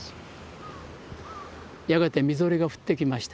やがてみぞれが降ってきました。